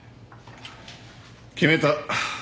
決めた。